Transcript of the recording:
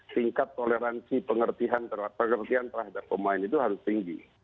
tingkat toleransi pengertian terhadap pemain itu harus tinggi